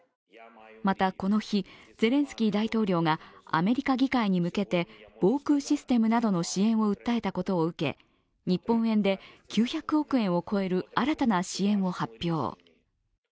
またこの日、ゼレンスキー大統領がアメリカ議会に向けて防空システムなどの支援を訴えたことを受け日本円で９００億円を超える新たな支援を発表。